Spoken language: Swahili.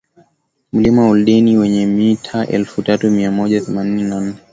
Mlima Oldeani wenye mita elfu tatu mia moja themanini na nane